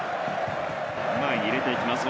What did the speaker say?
前へ入れてきます。